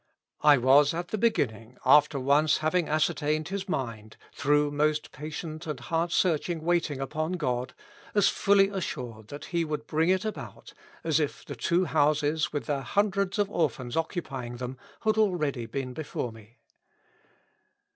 I was at the beginning, after once having ascertained His mind, through most patient and heart searching waiting upon God, as fully 274 Notes. lassured that He would bring it about, as if the two houses, with their hundreds of orphans occupying them, had been already before me.